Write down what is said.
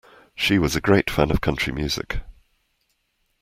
She was a great fan of country music